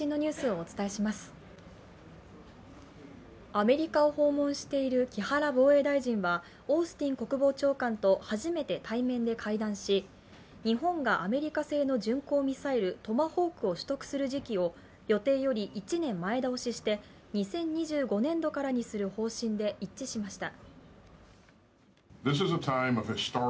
アメリカを訪問している木原防衛大臣はオースティン国防長官と初めて対面で会談し日本がアメリカ製の巡航ミサイルトマホークを取得する時期を予定より１年前倒しして２０２５年度からにする方針で一致しました。